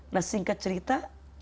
nah singkat cerita